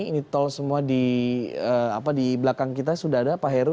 ini tol semua di belakang kita sudah ada pak heru